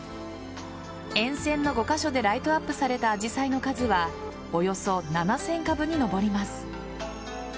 沿線の５カ所でライトアップされたアジサイの数はおよそ７０００株に上ります。